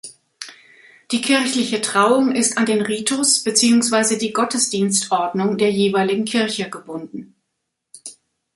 Die kirchliche Trauung ist an den Ritus beziehungsweise die Gottesdienstordnung der jeweiligen Kirche gebunden.